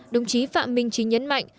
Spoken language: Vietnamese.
đồng chí phạm minh chính nhấn mạnh